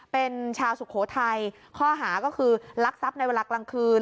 เป็นชาวสุโขทัยข้อหาก็คือลักทรัพย์ในเวลากลางคืน